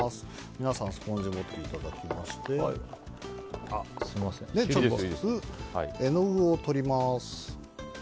皆さん、スポンジ持っていただきまして絵の具をとります。